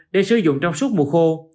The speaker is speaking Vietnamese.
để sử dụng trong suốt mùa khô